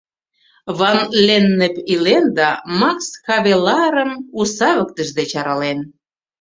Ван-Леннеп илен да “Макс Хавелаарым” у савыктыш деч арален.